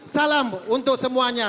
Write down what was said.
salam untuk semuanya